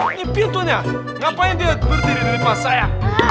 ini pintunya ngapain dia berdiri di depan saya